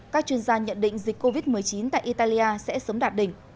các chuyên gia nhận định dịch covid một mươi chín tại italia sẽ sớm đạt đỉnh